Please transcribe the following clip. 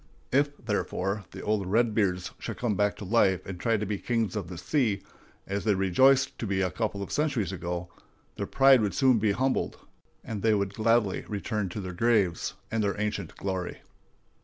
If, therefore, the old "Redbeards" should come back to life and try to be kings of the sea, as they rejoiced to be a couple of centuries ago, their pride would soon be humbled, and they would gladly return to their graves and their ancient glory.